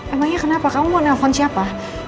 emangnya kenapa kamu mau nelfon siapa